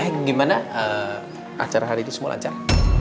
eh gimana acara hari itu semua lancar